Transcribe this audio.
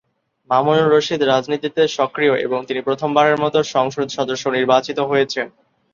মামুনুর রশিদ রাজনীতিতে সক্রিয় এবং তিনি প্রথম বারের মতো সংসদ সদস্য নির্বাচিত হয়েছেন।